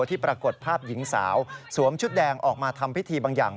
ที่ปรากฏภาพหญิงสาวสวมชุดแดงออกมาทำพิธีบางอย่าง